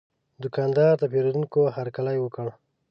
دوکاندار د پیرودونکي هرکلی وکړ.